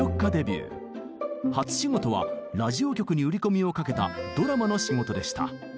初仕事はラジオ局に売り込みをかけたドラマの仕事でした。